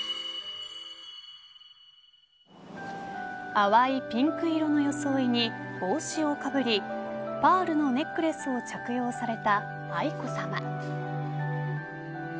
淡いピンク色の装いに帽子をかぶりパールのネックレスを着用された愛子さま。